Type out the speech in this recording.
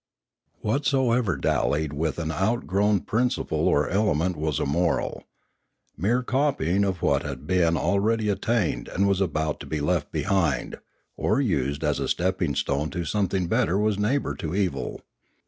Whatsoever dallied with an outgrown principle or element was immoral. Mere copying of what had been already attained and was about to be left behind Ethics 609 or used as a stepping stone to something better was neighbour to evil.